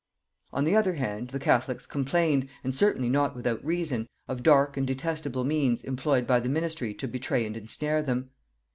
On the other hand, the catholics complained, and certainly not without reason, of dark and detestable means employed by the ministry to betray and ensnare them.